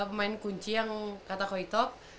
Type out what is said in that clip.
pemain kunci yang kata khoi top